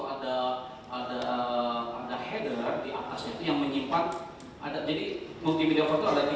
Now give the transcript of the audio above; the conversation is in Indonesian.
jadi kalau kita setiap hari bisa berubah kan beda lagi